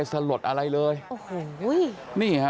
กลับไปลองกลับ